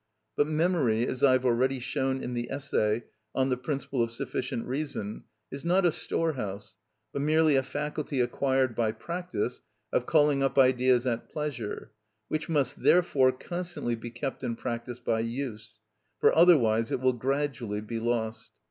But memory, as I have already shown in the essay on the principle of sufficient reason, is not a store house, but merely a faculty acquired by practice of calling up ideas at pleasure, which must therefore constantly be kept in practice by use; for otherwise it will gradually be lost.